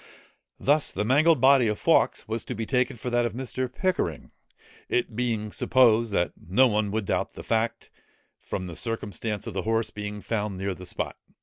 Thus the mangled body of Fawkes was to be taken for that of Mr. Pickering, it being supposed that no one would doubt the fact, from the circumstance of the horse being found near the spot.